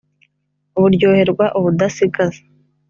Baryoherwa ubudasigaza.